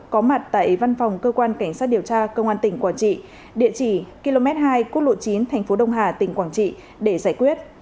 có mặt tại văn phòng cơ quan cảnh sát điều tra công an tỉnh quảng trị địa chỉ km hai quốc lộ chín thành phố đông hà tỉnh quảng trị để giải quyết